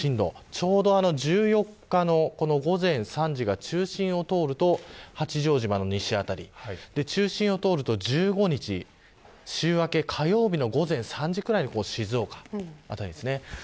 ちょうど１４日の午前３時が中心を通ると八丈島の西辺り中心を通ると１５日週明け火曜日の午前３時ぐらいに静岡辺りです。